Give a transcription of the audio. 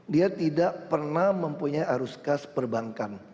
dia tidak pernah mempunyai arus kas perbankan